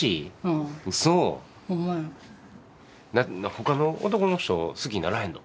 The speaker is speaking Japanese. ほかの男の人好きにならへんの？